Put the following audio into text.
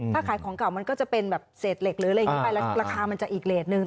ถ้าขายของเก่ามันก็จะเป็นเสร็จเหล็กหนึ่งราคามันจะอีกเลสหนึ่ง